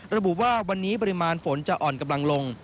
ระบุว่าวันนี้ปริมาณฝนจะอ่อนกำลังลง